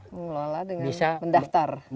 mengelola dengan mendaftar